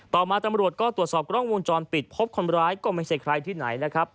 ต่อมาตำรวจก็ตรวจสอบกล้องวงจรปิดพบคนร้ายก็ไม่ใช่ใครที่ไหนนะครับ